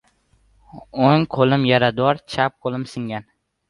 O‘ng qoTim «yarador», chap qo‘lim singan.